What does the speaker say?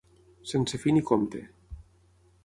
Sense fi ni compte.